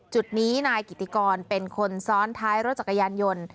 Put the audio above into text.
จุดนี้นายกิติกรเป็นคนซ้อนท้ายรถจักรยานยนต์